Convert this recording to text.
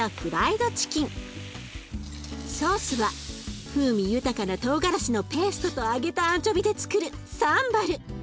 ソースは風味豊かなトウガラシのペーストと揚げたアンチョビでつくるサンバル。